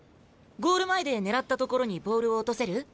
ゴール前で狙った所にボールを落とせる？